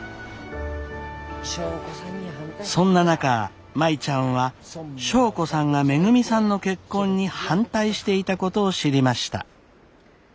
そんな中舞ちゃんは祥子さんがめぐみさんの結婚に反対していたことを知りました。